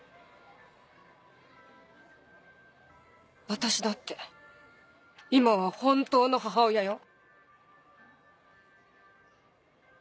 私だって今は本当の母親よ。